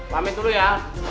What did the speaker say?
pamit dulu ya